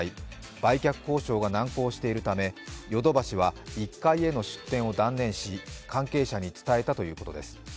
売却交渉が難航しているためヨドバシは１階への出店を断念し関係者に伝えたということです。